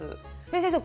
先生